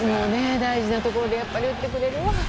大事なところで打ってくれるわ。